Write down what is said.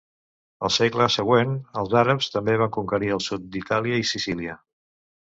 El segle següent, els àrabs també van conquerir el sud d'Itàlia i Sicília.